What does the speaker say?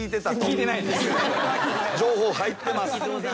情報入ってます。